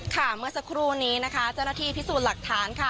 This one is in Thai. เมื่อสักครู่นี้นะคะเจ้าหน้าที่พิสูจน์หลักฐานค่ะ